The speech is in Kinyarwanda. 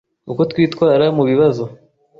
Uko twitwara mu bibazo